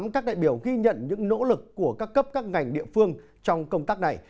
các đại biểu ghi nhận những nỗ lực của các cấp các ngành địa phương trong công tác này